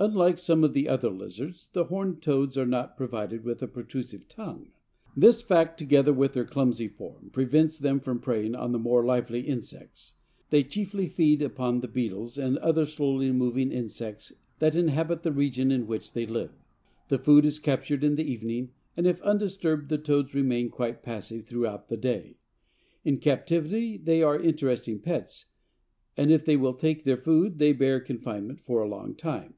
Unlike some of the other lizards, the Horned Toads are not provided with a protrusive tongue. This fact, together with their clumsy form, prevents them from preying on the more lively insects. They chiefly feed upon the beetles and other slowly moving insects that inhabit the region in which they live. The food is captured in the evening, and if undisturbed the toads remain quite passive throughout the day. In captivity they are interesting pets and if they will take food they bear confinement for a long time.